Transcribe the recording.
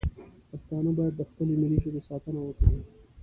پښتانه باید د خپلې ملي ژبې ساتنه وکړي